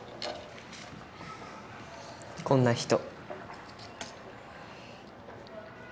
こんな人。